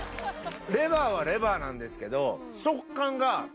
レバーはレバーなんですけど。